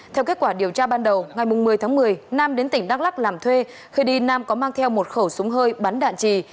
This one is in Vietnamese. theo kết quả điều tra ban đầu ngày một mươi tháng một mươi nam đến tỉnh đắk lắc làm thuê khi đi nam có mang theo một khẩu súng hơi bắn đạn trì